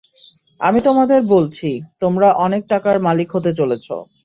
আমি তোমাদের বলছি, তোমরা অনেক টাকার মালিক হতে চলেছ।